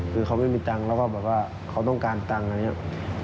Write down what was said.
แล้วก็แบบว่าเขาต้องการตังค์อะไรอย่างนี้